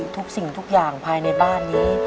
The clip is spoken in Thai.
ทุกสิ่งทุกอย่างภายในบ้านนี้